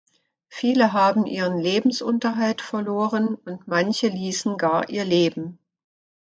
Viele haben ihren Lebensunterhalt verloren, und manche ließen gar ihr Leben.